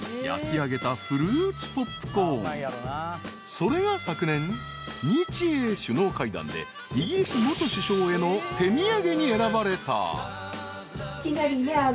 ［それが昨年日英首脳会談でイギリス元首相への手土産に選ばれた］